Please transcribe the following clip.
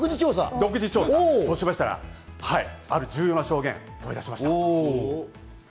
独自調査、そうしましたらある重要な証言が飛び出しました。